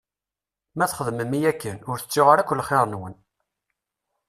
Ma txedmem-iyi akken, ur tettuɣ ara akk lxir-nwen.